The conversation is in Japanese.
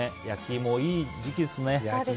焼き芋、いい時期ですね。